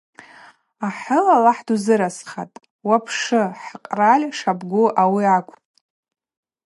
Ахӏы, Аллахӏ дузыразхатӏ, уапшы, хӏкъраль шабгу ауи акӏвпӏ.